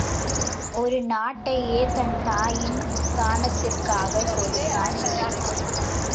ஒரு நாட்டையே தன் தாயின் தானத்திற்காகக் கொடுத்தான் உதயணன்.